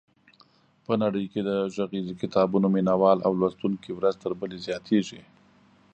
په نړۍ کې د غږیزو کتابونو مینوال او لوستونکي ورځ تر بلې زیاتېږي.